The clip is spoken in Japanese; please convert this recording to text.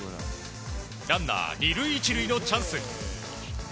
ランナー２塁１塁のチャンス。